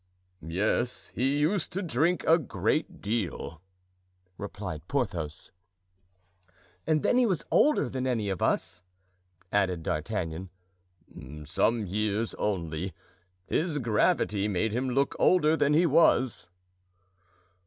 "Yes, he used to drink a great deal," replied Porthos. "And then he was older than any of us," added D'Artagnan. "Some years only. His gravity made him look older than he was."